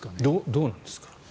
どうなんですか？